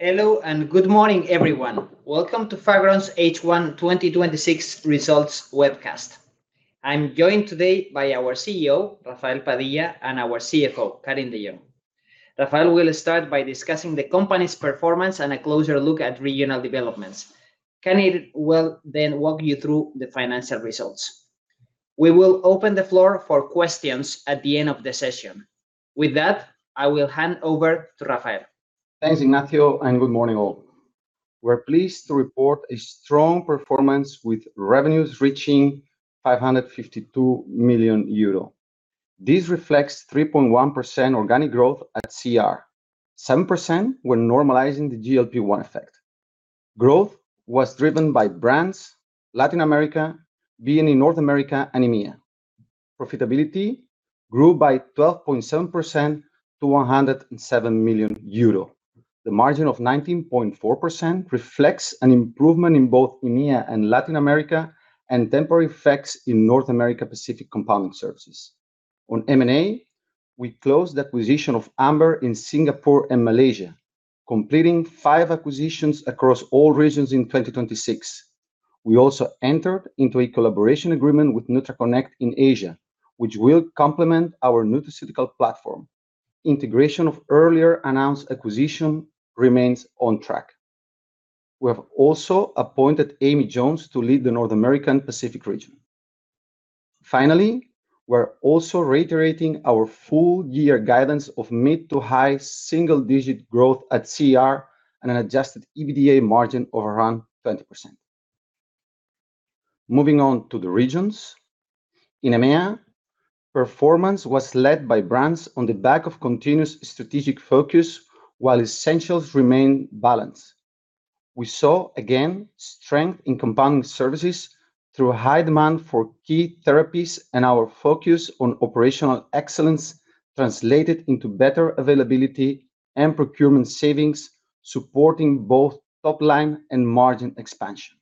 Hello, good morning, everyone. Welcome to Fagron's H1 2026 results webcast. I'm joined today by our CEO, Rafael Padilla, and our CFO, Karin de Jong. Rafael will start by discussing the company's performance and a closer look at regional developments. Karin will walk you through the financial results. We will open the floor for questions at the end of the session. With that, I will hand over to Rafael. Thanks, Ignacio, good morning, all. We're pleased to report a strong performance with revenues reaching 552 million euro. This reflects 3.1% organic growth at CER, 7% when normalizing the GLP-1 effect. Growth was driven by brands Latin America, B&E North America, and EMEA. Profitability grew by 12.7% to 107 million euro. The margin of 19.4% reflects an improvement in both EMEA and Latin America and temporary effects in North America Pacific compounding services. On M&A, we closed the acquisition of Amber in Singapore and Malaysia, completing five acquisitions across all regions in 2026. We also entered into a collaboration agreement with NutraConnect in Asia, which will complement our nutraceutical platform. Integration of earlier announced acquisition remains on track. We have also appointed Amy Jones to lead the North American Pacific region. We're also reiterating our full-year guidance of mid to high single-digit growth at CER and an adjusted EBITDA margin of around 20%. Moving on to the regions. In EMEA, performance was led by brands on the back of continuous strategic focus while essentials remained balanced. We saw, again, strength in compounding services through high demand for key therapies, and our focus on operational excellence translated into better availability and procurement savings, supporting both top-line and margin expansion.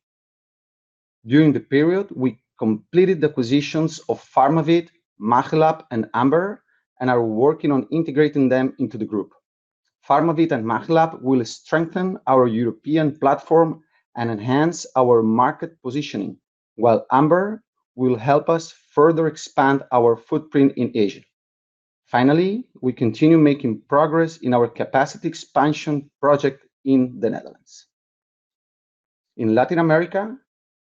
During the period, we completed the acquisitions of Pharmavit, Magilab, and Amber, and are working on integrating them into the group. Pharmavit and Magilab will strengthen our European platform and enhance our market positioning, while Amber will help us further expand our footprint in Asia. We continue making progress in our capacity expansion project in the Netherlands. In Latin America,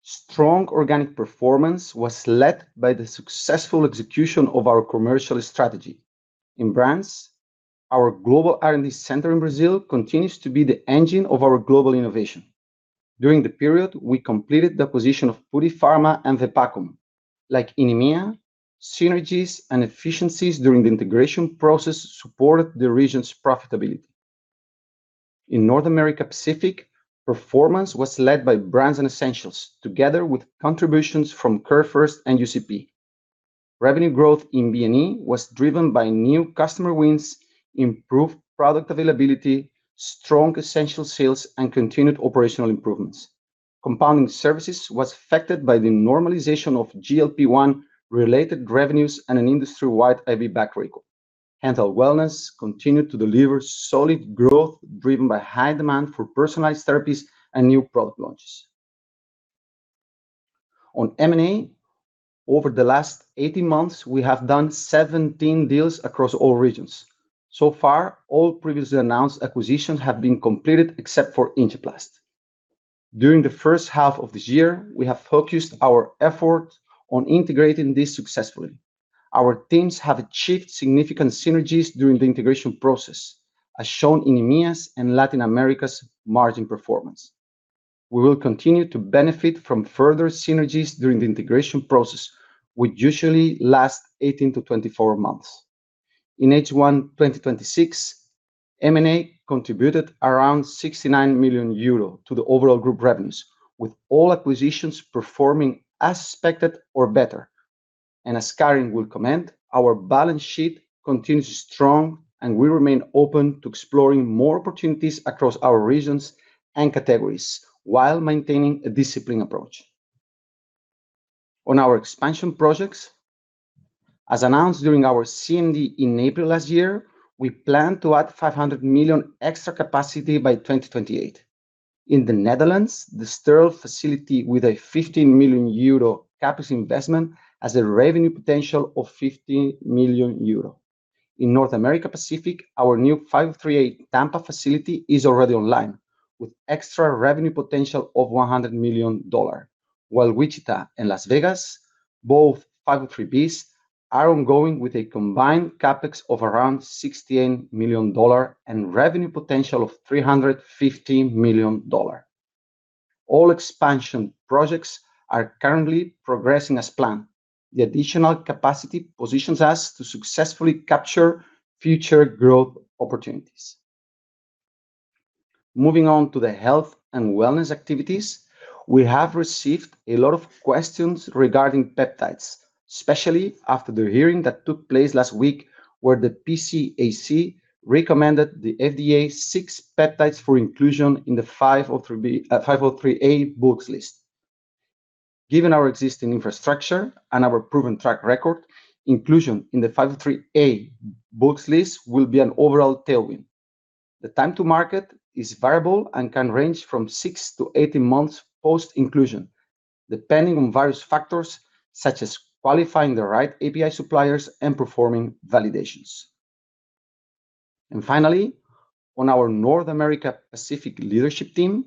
strong organic performance was led by the successful execution of our commercial strategy. In brands, our global R&D center in Brazil continues to be the engine of our global innovation. During the period, we completed the acquisition of Purifarma and Vepakum. Like in EMEA, synergies and efficiencies during the integration process supported the region's profitability. In North America Pacific, performance was led by brands and essentials together with contributions from CareFirst and UCP. Revenue growth in B&E was driven by new customer wins, improved product availability, strong essential sales, and continued operational improvements. Compounding services was affected by the normalization of GLP-1 related revenues and an industry-wide IV bag recall. Health and wellness continued to deliver solid growth driven by high demand for personalized therapies and new product launches. On M&A, over the last 18 months, we have done 17 deals across all regions. So far, all previously announced acquisitions have been completed except for Injeplast. During the first half of this year, we have focused our effort on integrating this successfully. Our teams have achieved significant synergies during the integration process, as shown in EMEA's and Latin America's margin performance. We will continue to benefit from further synergies during the integration process, which usually lasts 18 to 24 months. In H1 2026, M&A contributed around 69 million euros to the overall group revenues, with all acquisitions performing as expected or better. As Karin will comment, our balance sheet continues strong, and we remain open to exploring more opportunities across our regions and categories while maintaining a disciplined approach. On our expansion projects, as announced during our CMD in April last year, we plan to add 500 million extra capacity by 2028. In the Netherlands, the sterile facility with a 15 million euro CapEx investment has a revenue potential of 15 million euro. In North America Pacific, our new 503A Tampa facility is already online, with extra revenue potential of $100 million, while Wichita and Las Vegas, both 503Bs, are ongoing with a combined CapEx of around $68 million and revenue potential of $315 million. All expansion projects are currently progressing as planned. The additional capacity positions us to successfully capture future growth opportunities. Moving on to the Health and wellness activities. We have received a lot of questions regarding peptides, especially after the hearing that took place last week, where the PCAC recommended the FDA six peptides for inclusion in the 503A bulks list. Given our existing infrastructure and our proven track record, inclusion in the 503A bulks list will be an overall tailwind. The time to market is variable and can range from 6-18 months post-inclusion, depending on various factors such as qualifying the right API suppliers and performing validations. Finally, on our North America Pacific leadership team,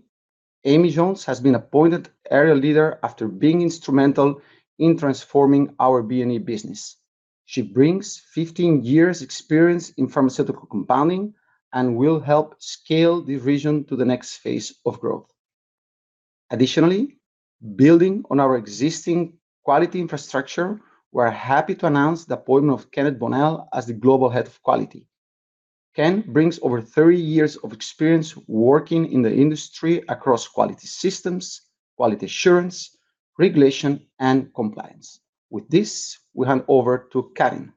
Amy Jones has been appointed Area Leader after being instrumental in transforming our B&E business. She brings 15 years' experience in pharmaceutical compounding and will help scale the region to the next phase of growth. Additionally, building on our existing quality infrastructure, we are happy to announce the appointment of Kenneth Bonnell as the Global Head of Quality. Ken brings over 30 years of experience working in the industry across quality systems, quality assurance, regulation, and compliance. With this, we hand over to Karin.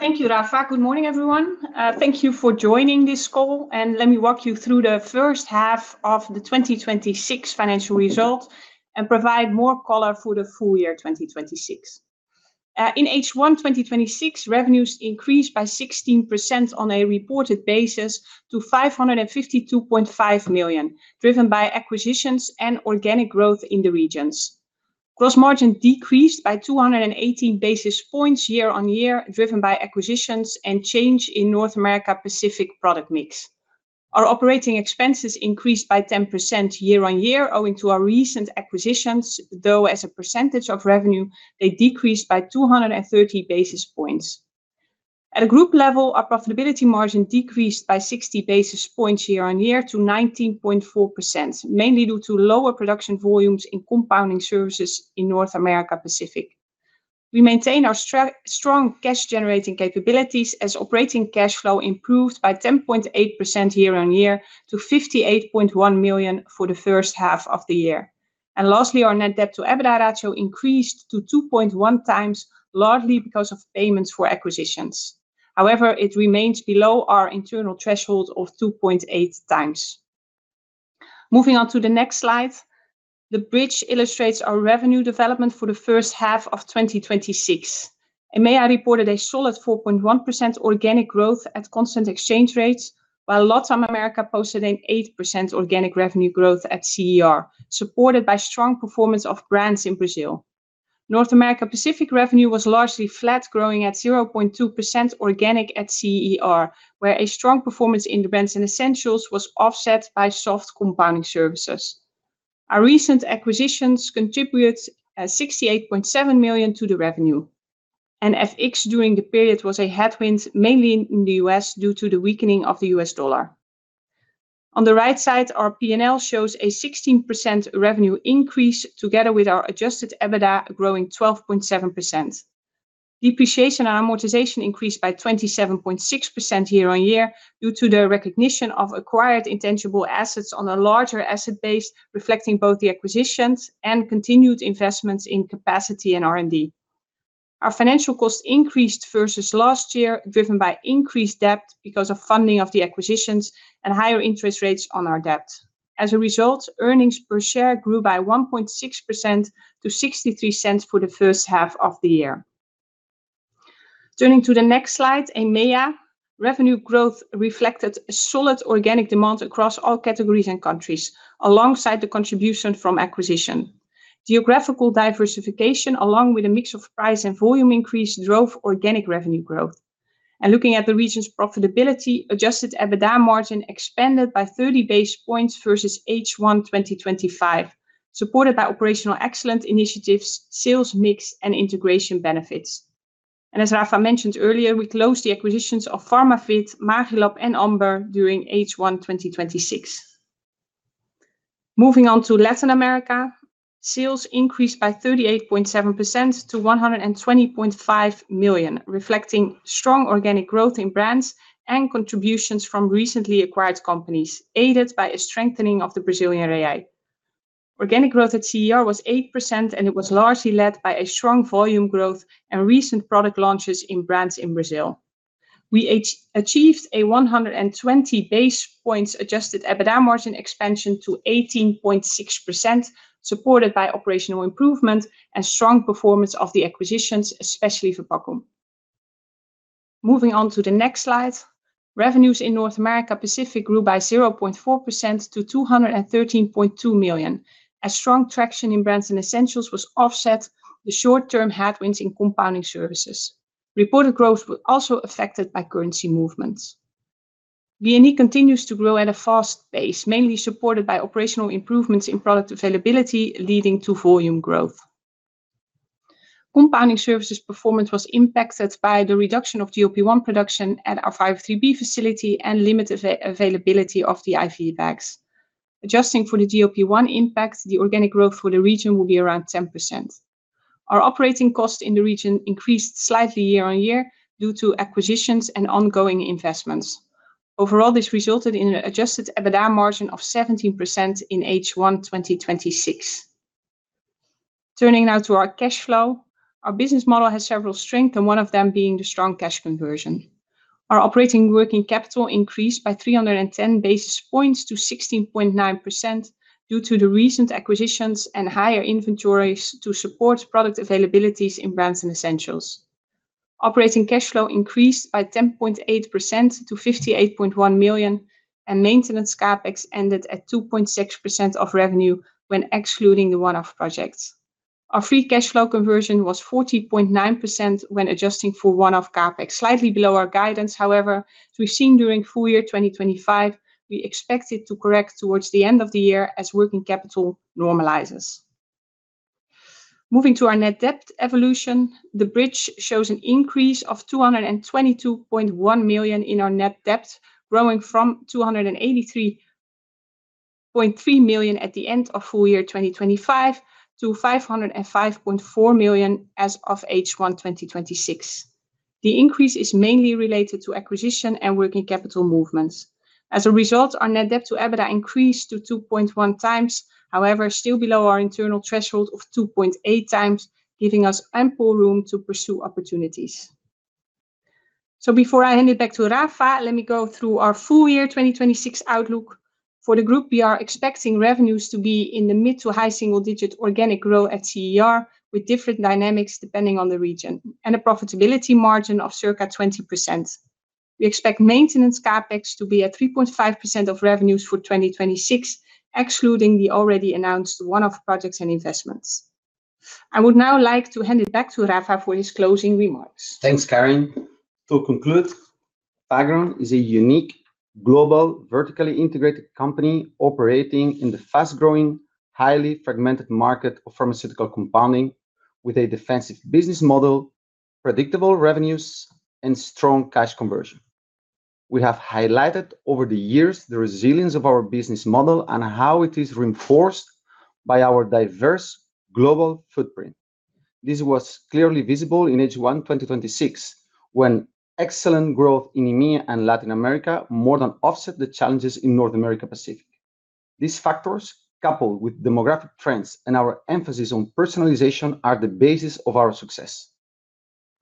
Thank you, Rafa. Good morning, everyone. Thank you for joining this call, and let me walk you through the first half of the 2026 financial result and provide more color for the full year 2026. In H1 2026, revenues increased by 16% on a reported basis to 552.5 million, driven by acquisitions and organic growth in the regions. Gross margin decreased by 218 basis points year-on-year, driven by acquisitions and change in North America Pacific product mix. Our operating expenses increased by 10% year-on-year owing to our recent acquisitions, though, as a percentage of revenue, they decreased by 230 basis points. At a group level, our profitability margin decreased by 60 basis points year-on-year to 19.4%, mainly due to lower production volumes in compounding services in North America Pacific. We maintain our strong cash-generating capabilities as operating cash flow improved by 10.8% year-on-year to 58.1 million for the first half of the year. Lastly, our net debt to EBITDA ratio increased to 2.1x, largely because of payments for acquisitions. However, it remains below our internal threshold of 2.8x. Moving on to the next slide. The bridge illustrates our revenue development for the first half of 2026. EMEA reported a solid 4.1% organic growth at constant exchange rates, while Latin America posted an 8% organic revenue growth at CER, supported by strong performance of brands in Brazil. North America Pacific revenue was largely flat, growing at 0.2% organic at CER, where a strong performance in brands and essentials was offset by soft compounding services. Our recent acquisitions contribute 68.7 million to the revenue. FX during the period was a headwind, mainly in the U.S. due to the weakening of the U.S. dollar. On the right side, our P&L shows a 16% revenue increase together with our adjusted EBITDA growing 12.7%. Depreciation and amortization increased by 27.6% year-on-year due to the recognition of acquired intangible assets on a larger asset base, reflecting both the acquisitions and continued investments in capacity and R&D. Our financial cost increased versus last year, driven by increased debt because of funding of the acquisitions and higher interest rates on our debt. As a result, earnings per share grew by 1.6% to 0.63 for the first half of the year. Turning to the next slide, EMEA revenue growth reflected solid organic demand across all categories and countries, alongside the contribution from acquisition. Geographical diversification, along with a mix of price and volume increase, drove organic revenue growth. Looking at the region's profitability, adjusted EBITDA margin expanded by 30 basis points versus H1 2025, supported by operational excellence initiatives, sales mix, and integration benefits. As Rafa mentioned earlier, we closed the acquisitions of Pharmavit, Magilab, and Amber during H1 2026. Moving on to Latin America. Sales increased by 38.7% to 120.5 million, reflecting strong organic growth in brands and contributions from recently acquired companies, aided by a strengthening of the Brazilian real. Organic growth at CER was 8%, and it was largely led by a strong volume growth and recent product launches in brands in Brazil. We achieved a 120 basis points adjusted EBITDA margin expansion to 18.6%, supported by operational improvement and strong performance of the acquisitions, especially [Purifarma]. Moving on to the next slide. Revenues in North America Pacific grew by 0.4% to 213.2 million. A strong traction in brands and essentials was offset the short-term headwinds in compounding services. Reported growth was also affected by currency movements. B&E continues to grow at a fast pace, mainly supported by operational improvements in product availability, leading to volume growth. Compounding services performance was impacted by the reduction of GLP-1 production at our 503B facility and limited availability of the IV bags. Adjusting for the GLP-1 impact, the organic growth for the region will be around 10%. Our operating cost in the region increased slightly year-on-year due to acquisitions and ongoing investments. Overall, this resulted in an adjusted EBITDA margin of 17% in H1 2026. Turning now to our cash flow. Our business model has several strengths, one of them being the strong cash conversion. Our operating working capital increased by 310 basis points to 16.9% due to the recent acquisitions and higher inventories to support product availabilities in Brands and Essentials. Operating cash flow increased by 10.8% to 58.1 million, and maintenance CapEx ended at 2.6% of revenue when excluding the one-off projects. Our free cash flow conversion was 40.9% when adjusting for one-off CapEx, slightly below our guidance. However, as we've seen during full year 2025, we expect it to correct towards the end of the year as working capital normalizes. Moving to our net debt evolution, the bridge shows an increase of 222.1 million in our net debt, growing from 283.3 million at the end of full year 2025 to 505.4 million as of H1 2026. The increase is mainly related to acquisition and working capital movements. As a result, our net debt to EBITDA increased to 2.1x, however, still below our internal threshold of 2.8x, giving us ample room to pursue opportunities. Before I hand it back to Rafa, let me go through our full year 2026 outlook. For the group, we are expecting revenues to be in the mid to high single digit organic growth at CER, with different dynamics depending on the region, and a profitability margin of circa 20%. We expect maintenance CapEx to be at 3.5% of revenues for 2026, excluding the already announced one-off projects and investments. I would now like to hand it back to Rafa for his closing remarks. Thanks, Karin. To conclude, Fagron is a unique, global, vertically integrated company operating in the fast-growing, highly fragmented market of pharmaceutical compounding with a defensive business model, predictable revenues, and strong cash conversion. We have highlighted over the years the resilience of our business model and how it is reinforced by our diverse global footprint. This was clearly visible in H1 2026, when excellent growth in EMEA and Latin America more than offset the challenges in North America – Pacific. These factors, coupled with demographic trends and our emphasis on personalization, are the basis of our success.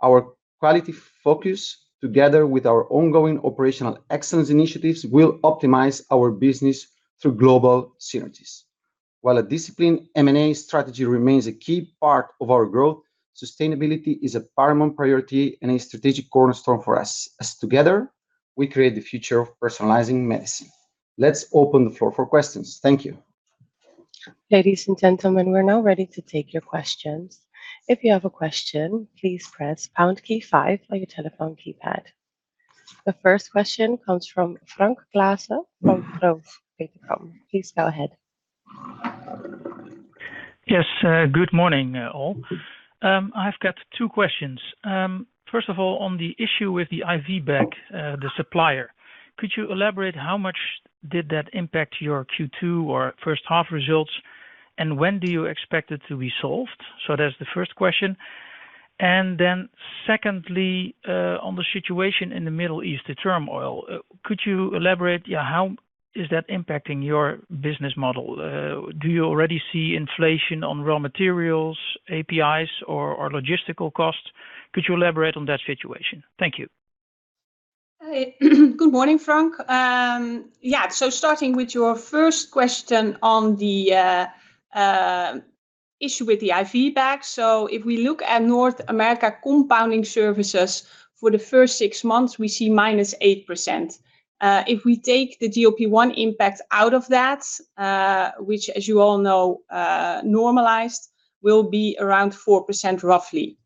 Our quality focus, together with our ongoing operational excellence initiatives, will optimize our business through global synergies. While a disciplined M&A strategy remains a key part of our growth, sustainability is a paramount priority and a strategic cornerstone for us, as together, we create the future of personalizing medicine. Let's open the floor for questions. Thank you. Ladies and gentlemen, we are now ready to take your questions. If you have a question, please press pound key five on your telephone keypad. The first question comes from Frank Claassen from Degroof Petercam. Please go ahead. Yes. Good morning, all. I have got two questions. First of all, on the issue with the IV bag, the supplier, could you elaborate how much did that impact your Q2 or first half results, and when do you expect it to be solved? That is the first question. Secondly, on the situation in the Middle East, the turmoil, could you elaborate how is that impacting your business model? Do you already see inflation on raw materials, APIs, or logistical costs? Could you elaborate on that situation? Thank you. Good morning, Frank. Starting with your first question on the issue with the IV bag. If we look at North America compounding services for the first six months, we see -8%. If we take the GLP-1 impact out of that, which, as you all know, normalized will be around 4%, roughly.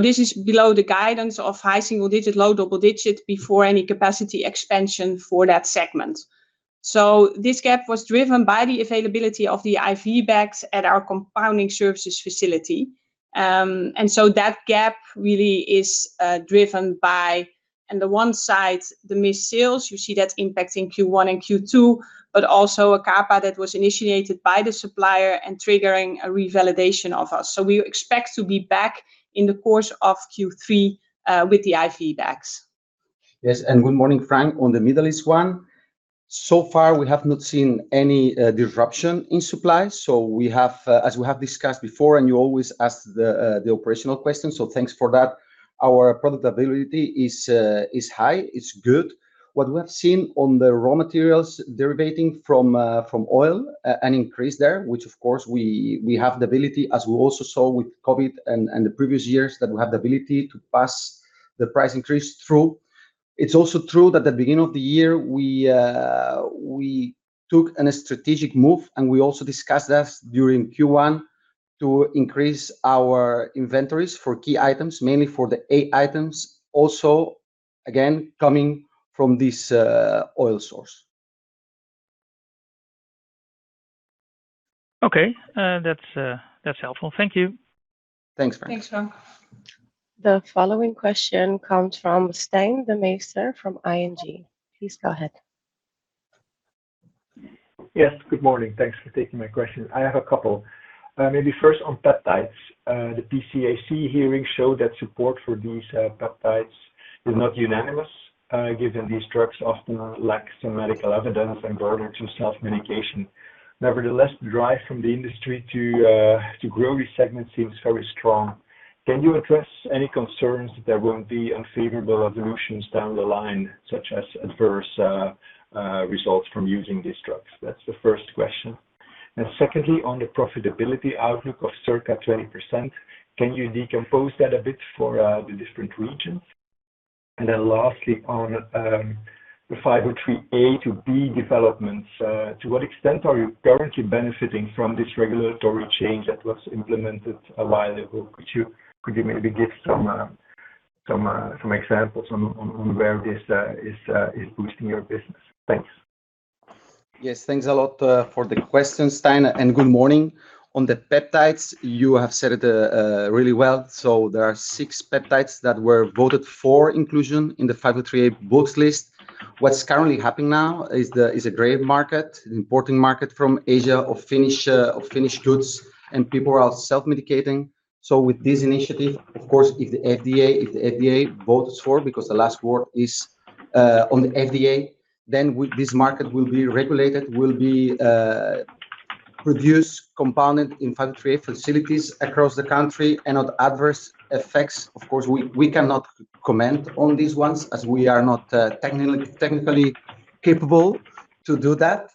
This is below the guidance of high single digit, low double digit, before any capacity expansion for that segment. This gap was driven by, on the one side, the missed sales, you see that impacting Q1 and Q2, but also a CAPA that was initiated by the supplier and triggering a revalidation of us. We expect to be back in the course of Q3, with the IV bags. Yes, good morning, Frank. On the Middle East one, so far, we have not seen any disruption in supply. As we have discussed before, and you always ask the operational questions, thanks for that. Our profitability is high, it is good. What we have seen on the raw materials derivating from oil, an increase there, which of course we have the ability, as we also saw with COVID and the previous years, that we have the ability to pass the price increase through. It is also true that the beginning of the year, we took a strategic move, and we also discussed this during Q1, to increase our inventories for key items, mainly for the A items, also again, coming from this oil source. Okay. That's helpful. Thank you. Thanks, Frank. Thanks, Frank. The following question comes from Stijn Demeester from ING. Please go ahead. Good morning. Thanks for taking my question. I have a couple. First on peptides. The PCAC hearing showed that support for these peptides is not unanimous, given these drugs often lack some medical evidence and borders on self-medication. The drive from the industry to grow this segment seems very strong. Can you address any concerns that there won't be unfavorable evolutions down the line, such as adverse results from using these drugs? That's the first question. Secondly, on the profitability outlook of circa 20%, can you decompose that a bit for the different regions? Lastly, on the 503A-to-503B developments, to what extent are you currently benefiting from this regulatory change that was implemented a while ago? Could you maybe give some examples on where this is boosting your business? Thanks. Thanks a lot for the questions, Stijn, and good morning. On the peptides, you have said it really well. There are six peptides that were voted for inclusion in the 503A bulks list. What's currently happening now is a gray market, an importing market from Asia of finished goods, and people are self-medicating. With this initiative, of course, if the FDA votes for, because the last word is on the FDA, then this market will be regulated, will be produced, compounded in 503A facilities across the country and not adverse effects. Of course, we cannot comment on these ones as we are not technically capable to do that.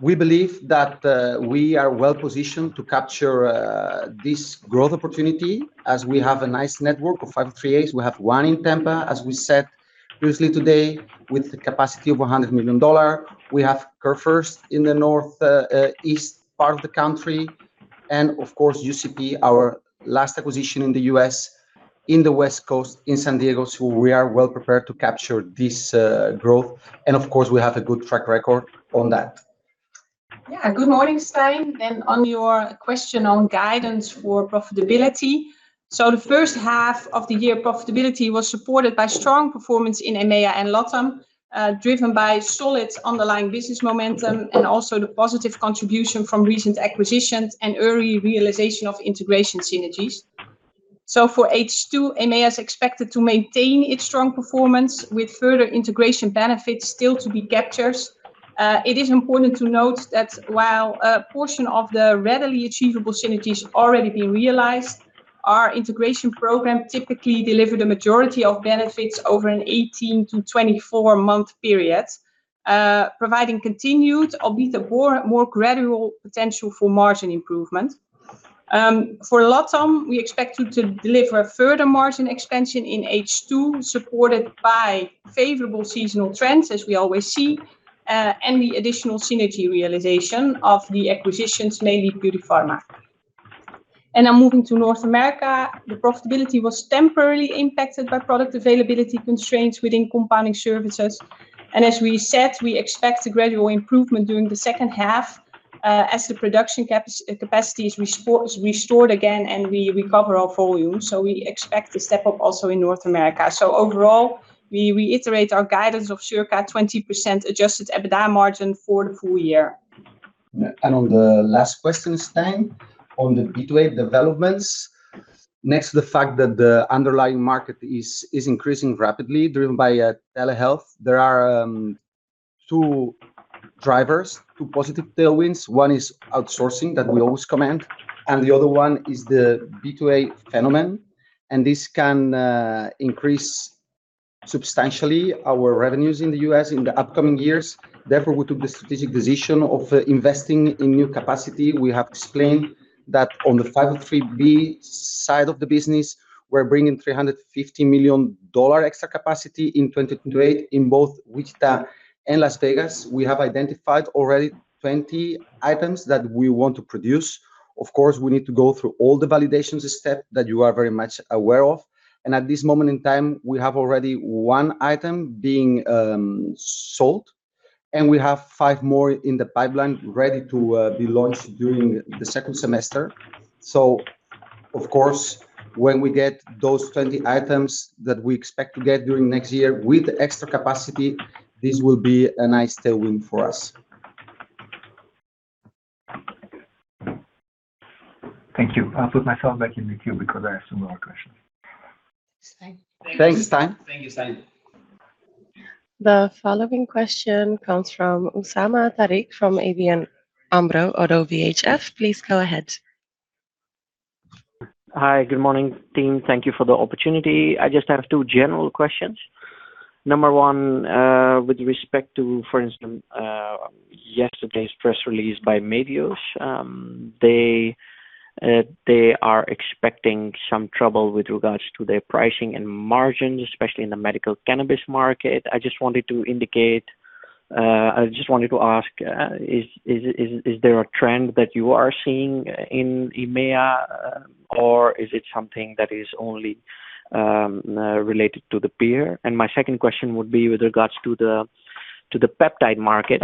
We believe that we are well-positioned to capture this growth opportunity as we have a nice network of 503As. We have one in Tampa, as we said previously today, with the capacity of $100 million. We have CareFirst in the northeast part of the country. And of course, UCP, our last acquisition in the U.S., in the West Coast, in San Diego. We are well prepared to capture this growth. Of course, we have a good track record on that. Good morning, Stijn, on your question on guidance for profitability. The first half of the year, profitability was supported by strong performance in EMEA and LATAM, driven by solid underlying business momentum and also the positive contribution from recent acquisitions and early realization of integration synergies. For H2, EMEA is expected to maintain its strong performance with further integration benefits still to be captured. It is important to note that while a portion of the readily achievable synergies have already been realized, our integration program typically delivered a majority of benefits over an 18- to 24-month period, providing continued, albeit more gradual, potential for margin improvement. For LATAM, we expect to deliver further margin expansion in H2, supported by favorable seasonal trends as we always see, and the additional synergy realization of the acquisitions, mainly Purifarma. Now moving to North America, the profitability was temporarily impacted by product availability constraints within compounding services. As we said, we expect a gradual improvement during the second half as the production capacity is restored again and we recover our volume. We expect to step up also in North America. Overall, we reiterate our guidance of circa 20% adjusted EBITDA margin for the full year. On the last question, Stijn, on the 503B-to-503A developments. Next to the fact that the underlying market is increasing rapidly, driven by telehealth, there are two drivers, two positive tailwinds. One is outsourcing, that we always comment, and the other one is the 503B-to-503A phenomenon, and this can increase substantially our revenues in the U.S. in the upcoming years. Therefore, we took the strategic decision of investing in new capacity. We have explained that on the 503B side of the business, we're bringing $350 million extra capacity in 2028 in both Wichita and Las Vegas. We have identified already 20 items that we want to produce. Of course, we need to go through all the validations step that you are very much aware of. At this moment in time, we have already one item being sold, and we have five more in the pipeline ready to be launched during the second semester. Of course, when we get those 20 items that we expect to get during next year with extra capacity, this will be a nice tailwind for us. Thank you. I'll put myself back in the queue because I have some more questions. Thanks, Stijn. Thanks, Stijn. Thank you, Stijn. The following question comes from Usama Tariq from ABN AMRO ODDO BHF. Please go ahead. Hi. Good morning, team. Thank you for the opportunity. I just have two general questions. Number one, with respect to, for instance, yesterday's press release by Medios. They are expecting some trouble with regards to their pricing and margins, especially in the medical cannabis market. I just wanted to ask, is there a trend that you are seeing in EMEA, or is it something that is only related to the peer? My second question would be with regards to the peptide market.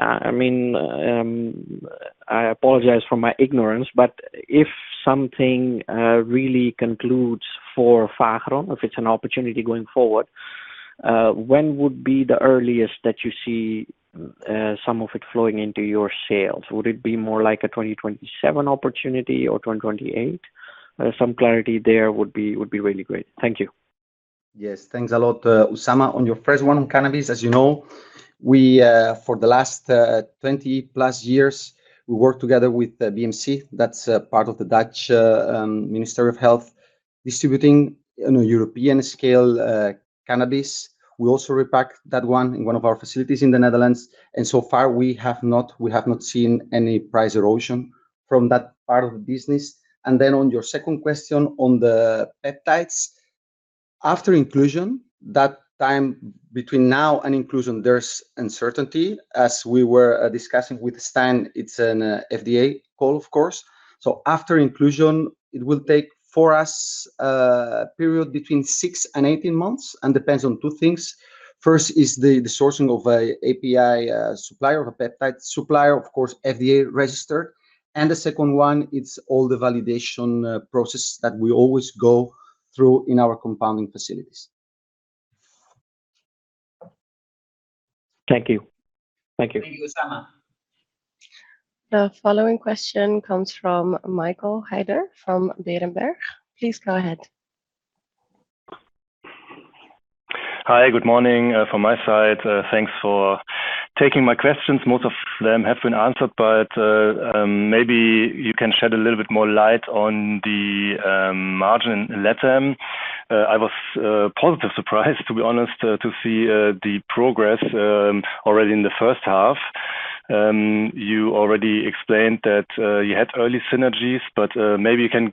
I apologize for my ignorance, but if something really concludes for Fagron, if it's an opportunity going forward, when would be the earliest that you see some of it flowing into your sales? Would it be more like a 2027 opportunity or 2028? Some clarity there would be really great. Thank you. Yes. Thanks a lot, Usama. On your first one on cannabis, as you know, for the last 20+ years, we worked together with BMC, that's a part of the Dutch Ministry of Health, distributing on a European scale, cannabis. We also repack that one in one of our facilities in the Netherlands, so far we have not seen any price erosion from that part of the business. On your second question on the peptides, after inclusion, that time between now and inclusion, there's uncertainty. As we were discussing with Stijn, it's an FDA call, of course. After inclusion, it will take, for us, a period between six and 18 months, and depends on two things. First is the sourcing of a API supplier or a peptide supplier, of course, FDA registered. The second one, it's all the validation process that we always go through in our compounding facilities. Thank you. Thank you, Usama. The following question comes from Michael Heider from Berenberg. Please go ahead. Hi. Good morning from my side. Thanks for taking my questions. Most of them have been answered, but maybe you can shed a little bit more light on the margin in LATAM. I was positively surprised, to be honest, to see the progress already in the first half. You already explained that you had early synergies, but maybe you can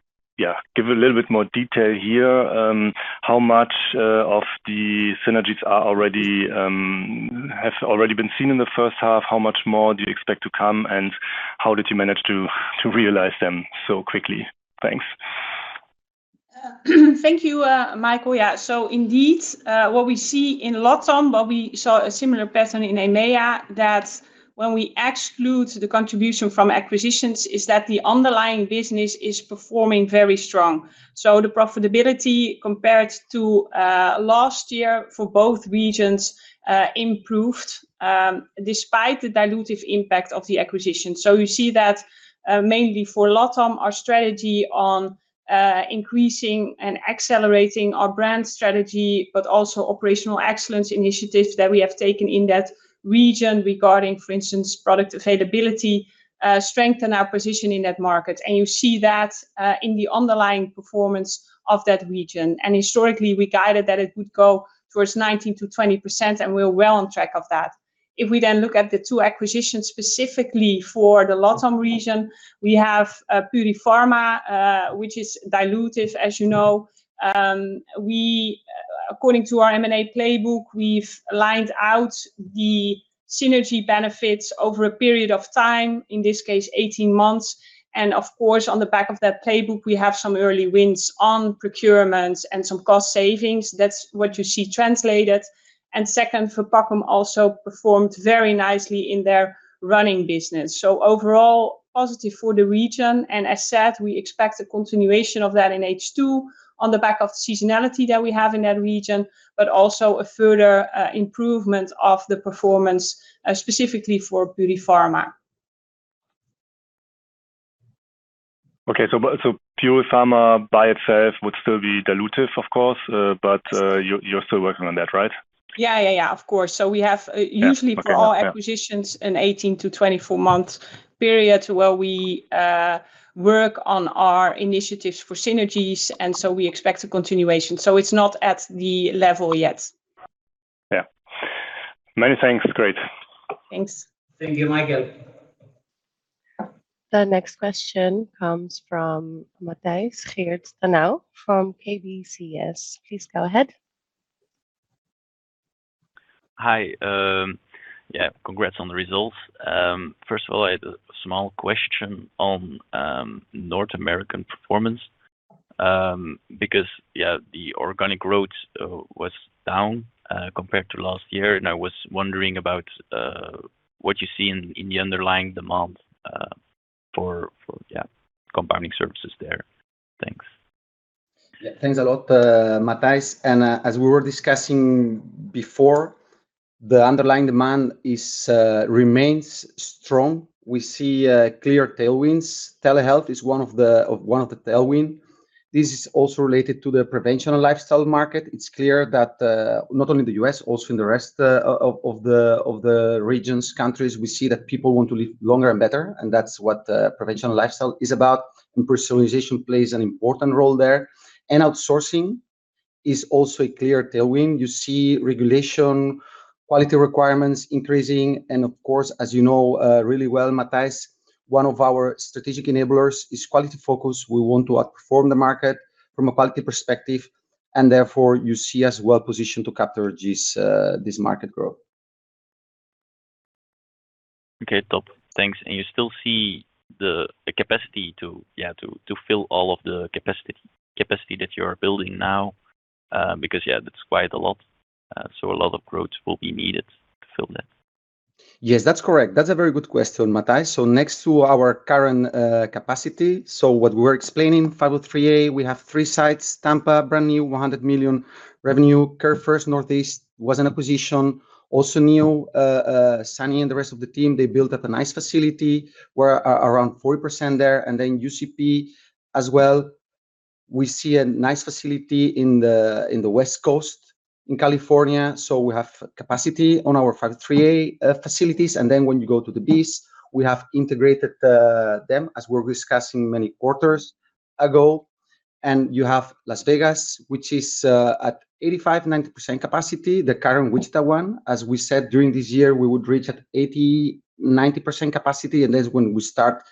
give a little bit more detail here. How much of the synergies have already been seen in the first half? How much more do you expect to come, and how did you manage to realize them so quickly? Thanks. Thank you, Michael. Yeah. Indeed, what we see in LATAM, but we saw a similar pattern in EMEA, that when we exclude the contribution from acquisitions, is that the underlying business is performing very strongly. The profitability compared to last year for both regions improved, despite the dilutive impact of the acquisition. You see that mainly for LATAM, our strategy on increasing and accelerating our brand strategy, but also operational excellence initiatives that we have taken in that region regarding, for instance, product availability, strengthen our position in that market. You see that in the underlying performance of that region. Historically, we guided that it would go towards 19%-20%, and we're well on track of that. If we then look at the two acquisitions specifically for the LATAM region, we have Purifarma, which is dilutive, as you know. According to our M&A playbook, we've lined out the synergy benefits over a period of time, in this case, 18 months. Of course, on the back of that playbook, we have some early wins on procurements and some cost savings. That's what you see translated. Second, for [Purifarma] also performed very nicely in their running business. Overall, positive for the region. As said, we expect a continuation of that in H2 on the back of the seasonality that we have in that region, but also a further improvement of the performance specifically for Purifarma. Okay. Purifarma by itself would still be dilutive, of course. You're still working on that, right? Yeah. Of course. Yeah. Okay. For our acquisitions, an 18 to 24-month period where we work on our initiatives for synergies. We expect a continuation. It's not at the level yet. Yeah. Many thanks. Great. Thanks. Thank you, Michael. The next question comes from Mathijs Geerts Danau from KBCS. Please go ahead. Hi. Congrats on the results. First of all, I had a small question on North American performance. The organic growth was down compared to last year, and I was wondering about what you see in the underlying demand for compounding services there. Thanks. Thanks a lot, Mathijs. As we were discussing before, the underlying demand remains strong. We see clear tailwinds. Telehealth is one of the tailwind. This is also related to the prevention and lifestyle market. It's clear that not only the U.S., also in the rest of the regions, countries, we see that people want to live longer and better, and that's what prevention and lifestyle is about, and personalization plays an important role there. Outsourcing is also a clear tailwind. You see regulation, quality requirements increasing, and of course, as you know really well, Mathijs, one of our strategic enablers is quality focus. We want to outperform the market from a quality perspective, and therefore, you see us well-positioned to capture this market growth. Okay. Top. Thanks. You still see the capacity to fill all of the capacity that you're building now, because that's quite a lot. A lot of growth will be needed to fill that. Yes, that's correct. That's a very good question, Mathijs. Next to our current capacity, what we're explaining, 503A, we have three sites. Tampa, brand new, 100 million revenue. CareFirst Northeast was an acquisition, also new, Sunny and the rest of the team, they built up a nice facility. We're around 40% there, and then UCP as well. We see a nice facility in the West Coast in California. We have capacity on our 503A facilities. When you go to the Bs, we have integrated them as we're discussing many quarters ago. You have Las Vegas, which is at 85%-90% capacity. The current Wichita one, as we said during this year, we would reach at 80%-90% capacity, and that's when we start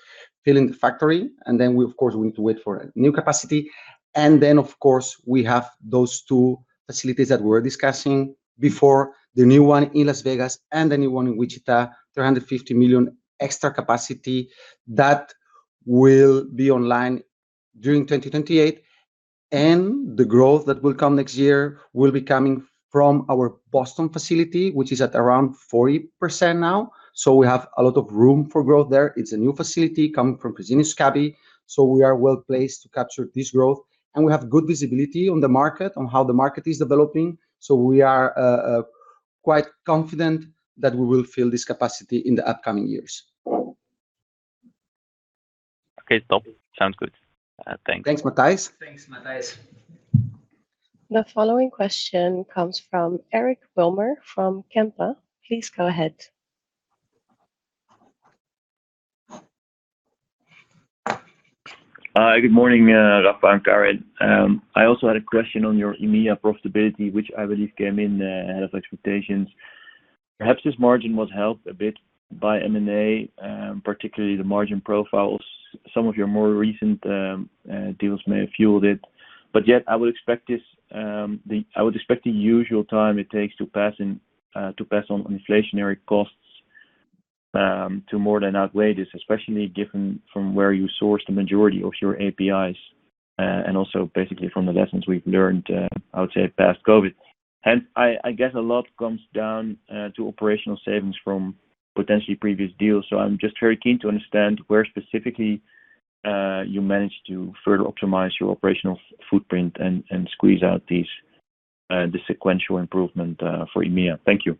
filling the factory. Of course, we need to wait for a new capacity. Of course, we have those two facilities that we were discussing before, the new one in Las Vegas and the new one in Wichita, 350 million extra capacity that will be online during 2028. The growth that will come next year will be coming from our Boston facility, which is at around 40% now. We have a lot of room for growth there. It's a new facility coming from Fresenius Kabi. We are well-placed to capture this growth, and we have good visibility on the market, on how the market is developing. We are quite confident that we will fill this capacity in the upcoming years. Okay, cool. Sounds good. Thanks. Thanks, Mathijs. Thanks, Mathijs. The following question comes from Eric Wilmer, from Kempen. Please go ahead. Good morning, Rafa and Karin. I also had a question on your EMEA profitability, which I believe came in ahead of expectations. Perhaps this margin was helped a bit by M&A, particularly the margin profiles. Some of your more recent deals may have fueled it, yet I would expect the usual time it takes to pass on inflationary costs to more than outweigh this, especially given from where you source the majority of your APIs and also basically from the lessons we've learned, I would say, past COVID. I guess a lot comes down to operational savings from potentially previous deals. I am just very keen to understand where specifically you managed to further optimize your operational footprint and squeeze out the sequential improvement for EMEA. Thank you.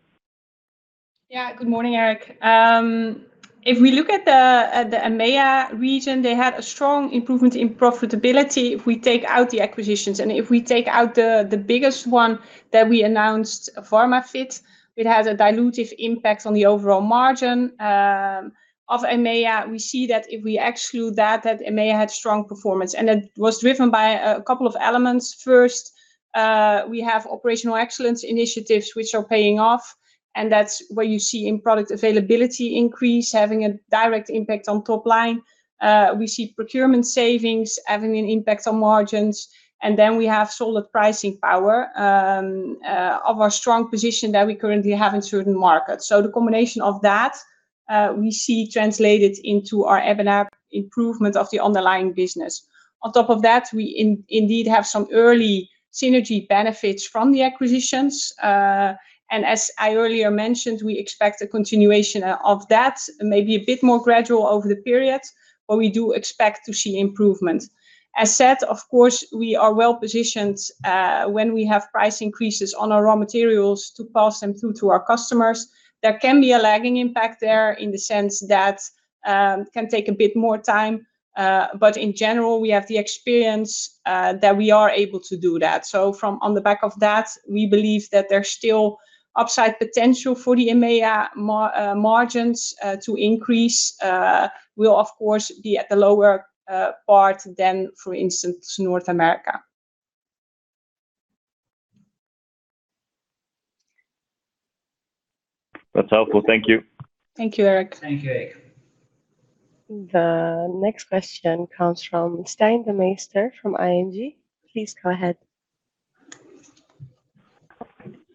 Good morning, Eric. If we look at the EMEA region, they had a strong improvement in profitability if we take out the acquisitions. If we take out the biggest one that we announced, Pharmavit, it has a dilutive impact on the overall margin of EMEA. We see that if we exclude that EMEA had strong performance, that was driven by a couple of elements. First, we have operational excellence initiatives, which are paying off, and that is where you see in product availability increase, having a direct impact on top line. We see procurement savings having an impact on margins, then we have solid pricing power of our strong position that we currently have in certain markets. The combination of that, we see translated into our EBITDA improvement of the underlying business. On top of that, we indeed have some early synergy benefits from the acquisitions. As I earlier mentioned, we expect a continuation of that, maybe a bit more gradual over the period. We do expect to see improvement. As said, of course, we are well positioned when we have price increases on our raw materials to pass them through to our customers. There can be a lagging impact there in the sense that can take a bit more time. In general, we have the experience that we are able to do that. From on the back of that, we believe that there is still upside potential for the EMEA margins to increase, will of course, be at the lower part than, for instance, North America. That's helpful. Thank you. Thank you, Eric. Thank you, Eric. The next question comes from Stijn Demeester from ING. Please go ahead.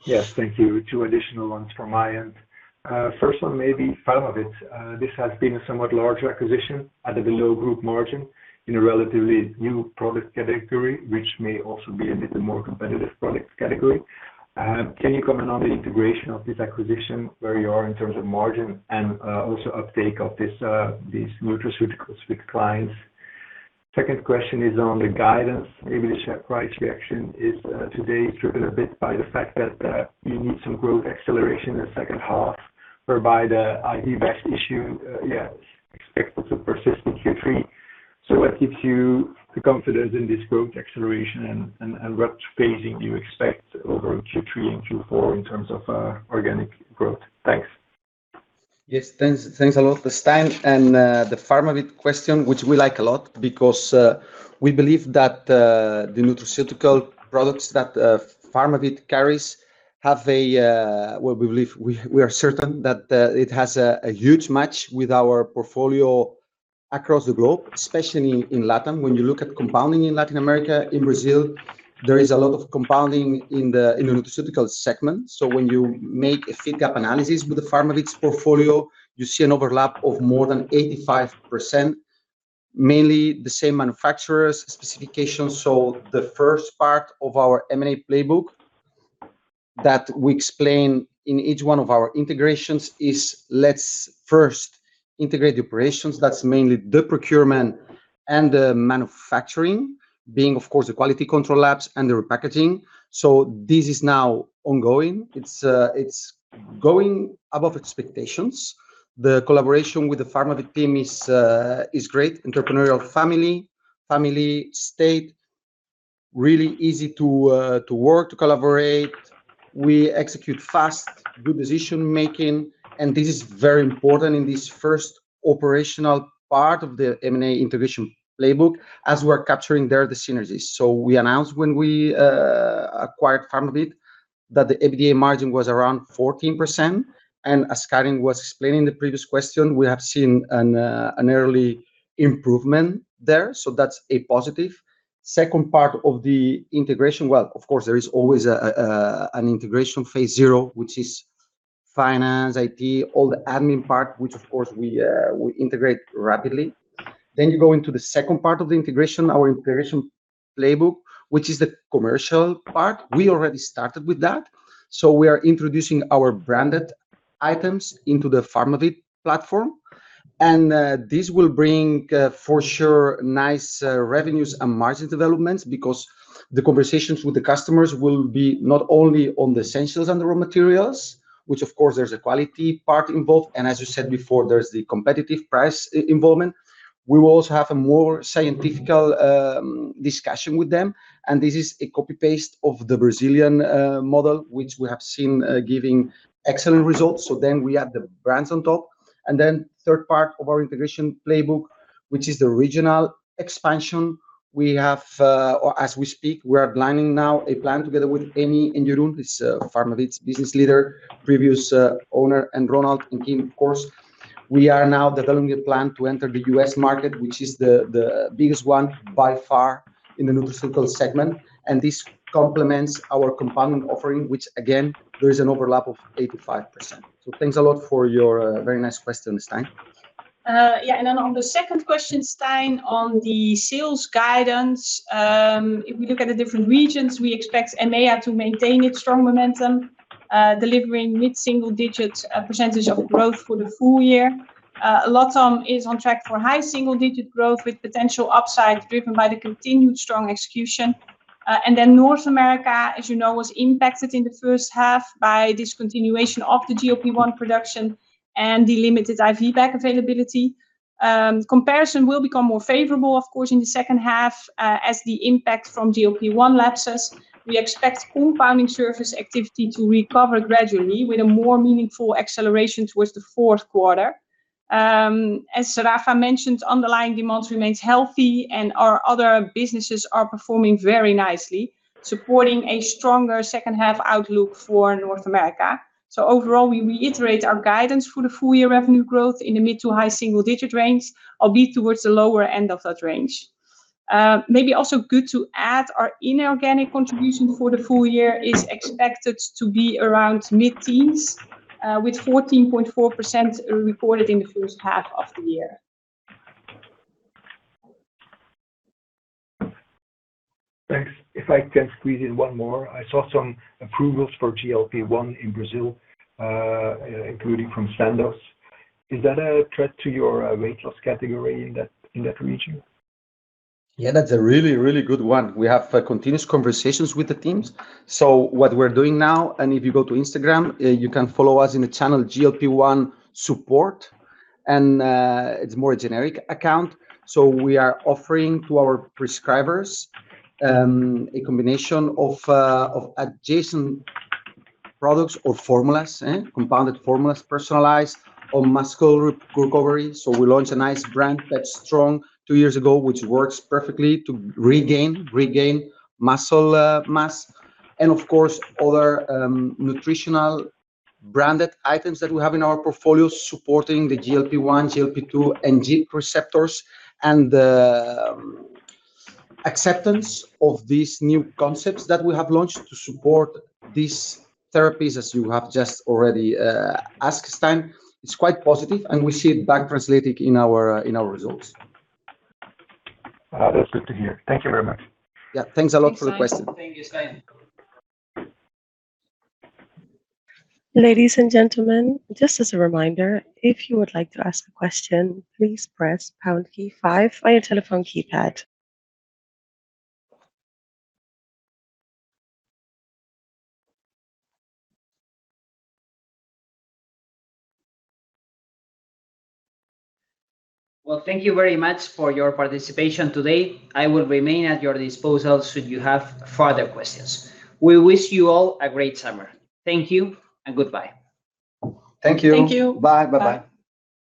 Yes. Thank you. Two additional ones from my end. First one may be Pharmavit. This has been a somewhat larger acquisition at a below-group margin in a relatively new product category, which may also be a bit more competitive product category. Can you comment on the integration of this acquisition, where you are in terms of margin and also uptake of these nutraceuticals with clients? Second question is on the guidance. Maybe the share price reaction is today driven a bit by the fact that you need some growth acceleration in the second half, whereby the IV bag issue expected to persist in Q3. What gives you the confidence in this growth acceleration, and what phasing do you expect over Q3 and Q4 in terms of organic growth? Thanks. Yes, thanks a lot, Stijn. The Pharmavit question, which we like a lot because we believe that the nutraceutical products that Pharmavit carries, we are certain that it has a huge match with our portfolio across the globe, especially in Latin. When you look at compounding in Latin America, in Brazil, there is a lot of compounding in the nutraceutical segment. When you make a fit-gap analysis with Pharmavit's portfolio, you see an overlap of more than 85%, mainly the same manufacturers, specifications. The first part of our M&A playbook that we explain in each one of our integrations is let's first integrate the operations, that's mainly the procurement and the manufacturing, being, of course, the quality control labs and the repackaging. This is now ongoing. It's going above expectations. The collaboration with the Pharmavit team is great. Entrepreneurial family state, really easy to work, to collaborate. We execute fast, good decision-making, this is very important in this first operational part of the M&A integration playbook as we're capturing there the synergies. We announced when we acquired Pharmavit that the EBITDA margin was around 14%, as Karin was explaining in the previous question, we have seen an early improvement there, that's a positive. Second part of the integration, of course, there is always an integration phase zero, which is finance, IT, all the admin part, which, of course, we integrate rapidly. You go into the second part of the integration, our integration playbook, which is the commercial part. We already started with that. We are introducing our branded items into the Pharmavit platform. This will bring, for sure, nice revenues and margin developments because the conversations with the customers will be not only on the essentials and the raw materials, which of course, there's a quality part involved, as you said before, there's the competitive price involvement. We will also have a more scientific discussion with them, this is a copy-paste of the Brazilian model, which we have seen giving excellent results. We add the brands on top. Third part of our integration playbook, which is the regional expansion. As we speak, we are planning now a plan together with Emmy and Jeroen, who's Pharmavit's business leader, previous owner, Ronald and Kim, of course. We are now developing a plan to enter the U.S. market, which is the biggest one by far in the nutraceutical segment. This complements our component offering, which again, there is an overlap of 85%. Thanks a lot for your very nice question, Stijn. On the second question, Stijn, on the sales guidance. If we look at the different regions, we expect EMEA to maintain its strong momentum, delivering mid-single-digit percentage growth for the full year. LATAM is on track for high single-digit growth with potential upside driven by the continued strong execution. North America, as you know, was impacted in the first half by discontinuation of the GLP-1 production and the limited IV bag availability. Comparison will become more favorable, of course, in the second half as the impact from GLP-1 lapses. We expect compounding service activity to recover gradually with a more meaningful acceleration towards the fourth quarter. As Rafa mentioned, underlying demand remains healthy, and our other businesses are performing very nicely, supporting a stronger second half outlook for North America. Overall, we reiterate our guidance for the full year revenue growth in the mid-to-high single-digit range, albeit towards the lower end of that range. Maybe also good to add our inorganic contribution for the full year is expected to be around mid-teens, with 14.4% reported in the first half of the year. Thanks. If I can squeeze in one more. I saw some approvals for GLP-1 in Brazil, including from Sandoz. Is that a threat to your weight loss category in that region? Yeah, that's a really good one. We have continuous conversations with the teams. What we're doing now, and if you go to instagram, you can follow us in the channel GLP1Support. It's more a generic account. We are offering to our prescribers, a combination of adjacent products or formulas, compounded formulas, personalized or muscle recovery. We launched a nice brand, PeptiStrong, two years ago, which works perfectly to regain muscle mass. Of course, other nutritional branded items that we have in our portfolio supporting the GLP-1, GLP-2, and GIP receptors. The acceptance of these new concepts that we have launched to support these therapies, as you have just already asked, Stijn, it's quite positive and we see it back translated in our results. That's good to hear. Thank you very much. Yeah. Thanks a lot for the question. Thanks, Stijn. Ladies and gentlemen, just as a reminder, if you would like to ask a question, please press pound key five on your telephone keypad. Well, thank you very much for your participation today. I will remain at your disposal should you have further questions. We wish you all a great summer. Thank you and goodbye. Thank you. Thank you. Bye. Bye.